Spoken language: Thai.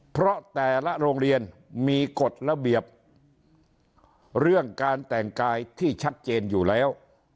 เพราะแต่ละโรงเรียนมีกฎระเบียบเรื่องการแต่งกายที่ชัดเจนอยู่แล้ว